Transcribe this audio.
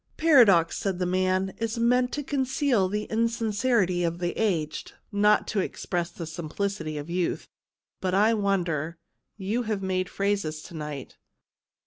"Paradox," said the man, "is meant to conceal the insincerity of the aged, not to express the simplicity of youth. But I wander. You have made phrases to night."